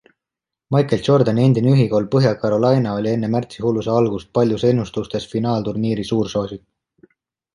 Michael Jordani endine ülikool Põhja-Carolina oli enne märtsihulluse algust paljudes ennustustes finaalturniiri suursoosik.